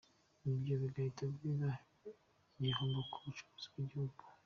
Ibyo bigahita biba igihombo ku bucuruzi bw’igihugu.